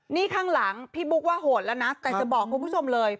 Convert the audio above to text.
นี่ข้างหลังพี่บุ๊คว่าโหดแล้วนะแต่จะบอกคุณผู้ชมเลย